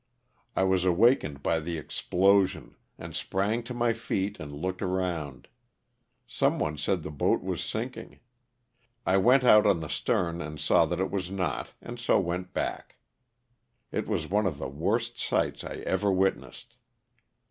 I was awakened by the explosion and sprang to my feet and looked around ; some one said the boat was sinking ; I went out on the stern and saw that it was not, and so went back. It was one of the worst sights I ever witnessed.